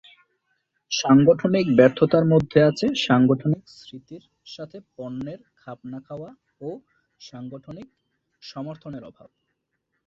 সাংগঠনিক ব্যর্থতার মধ্যে আছে সাংগঠনিক সংস্কৃতির সাথে পণ্যের খাপ না খাওয়া ও সাংগঠনিক সমর্থনের অভাব।